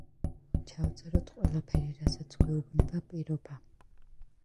ჩავწეროთ ყველაფერი რასაც გვეუბნება პირობა.